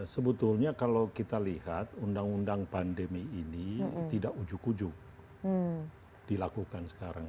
sebetulnya kalau kita lihat undang undang pandemi ini tidak ujuk ujuk dilakukan sekarang